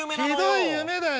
ひどい夢だよ。